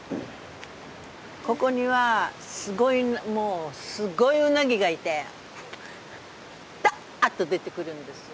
ここにはすごいもうすごいウナギがいてダーッと出てくるんですよ。